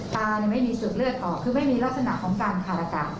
ตาไม่มีศึกเลือดออกคือไม่มีลักษณะของการทารกะ